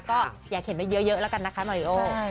ก็อย่าเขียนไว้เยอะแล้วกันนะคะมาริโอ